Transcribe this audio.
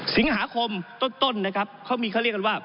สิงหาคมต้นนะครับเขามีเขาเรียกกันว่า